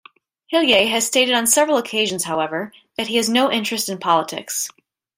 Hillier has stated on several occasions however that he has no interest in politics.